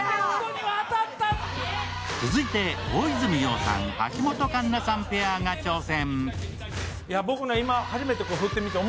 続いて、大泉洋さん、橋本環奈さんペアが挑戦。